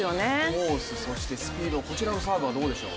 コース、そしてスピードこちらのサーブはどうでしょう。